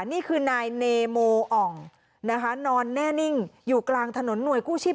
นี่คือนายเนโมอ่องนะคะนอนแน่นิ่งอยู่กลางถนนหน่วยกู้ชีพ